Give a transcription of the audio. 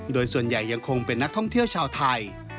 โดยส่วนใหญ่ยังคงเป็นนักท่องเที่ยวชาวไทย